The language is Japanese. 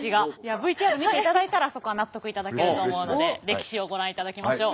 ＶＴＲを見ていただいたらそこは納得いただけると思うので歴史をご覧いただきましょう。